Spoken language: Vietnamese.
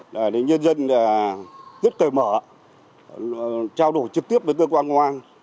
nhân dân rất cười mở trao đổi trực tiếp với cơ quan công an